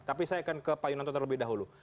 tapi saya akan ke pak yunanto terlebih dahulu